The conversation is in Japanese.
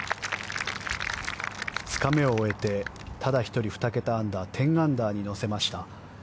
２日目を終えてただ１人、２桁アンダー１０アンダーに乗せました。